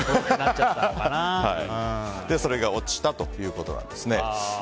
それが落ちたということなんですね。